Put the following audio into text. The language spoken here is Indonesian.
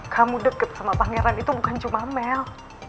kamu deket sama pangeran itu bukan cuma mel